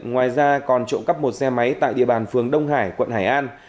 ngoài ra còn trộm cắp một xe máy tại địa bàn phường đông hải quận hải an